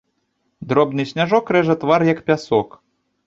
Дробны сняжок рэжа твар як пясок.